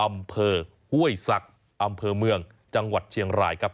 อำเภอห้วยศักดิ์อำเภอเมืองจังหวัดเชียงรายครับ